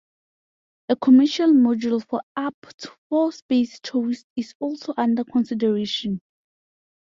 A commercial module for up to four space tourists is also under consideration.